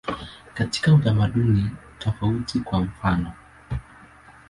Katika utamaduni tofauti, kwa mfanof.